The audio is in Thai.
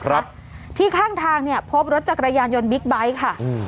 ครับที่ข้างทางเนี่ยพบรถจักรยานยนต์บิ๊กไบท์ค่ะอืม